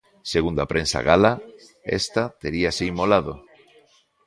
Segundo a prensa gala esta teríase inmolado.